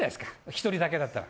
１人だけだったら。